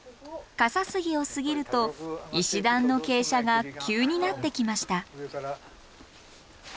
傘杉を過ぎると石段の傾斜が急になってきました。